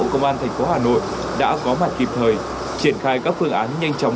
công an tp hà nội đã có mặt kịp thời triển khai các phương án nhanh chóng